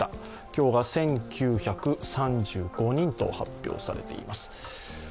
今日が１９３５人と発表されています。